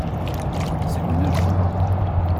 C’est ruineux, ce jeu-là.